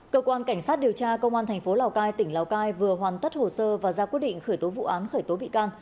cơ quan cảnh sát điều tra công an thành phố lào cai tỉnh lào cai vừa hoàn tất hồ sơ và ra quyết định khởi tố vụ án khởi tố bị can